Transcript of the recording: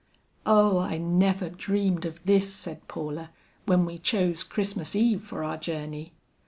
"Oh, I never dreamed of this," said Paula, "when we chose Christmas eve for our journey."